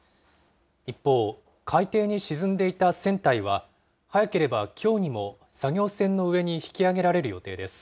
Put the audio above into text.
一方、海底に沈んでいた船体は、早ければきょうにも作業船の上に引き揚げられる予定です。